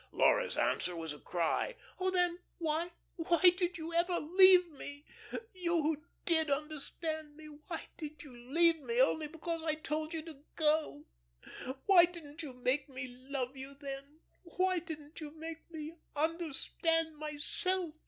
Laura's answer was a cry. "Oh, then, why did you ever leave me you who did understand me? Why did you leave me only because I told you to go? Why didn't you make me love you then? Why didn't you make me understand myself?"